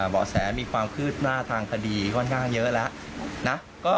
เบาะแสมีความคืบหน้าทางคดีค่อนข้างเยอะแล้วนะ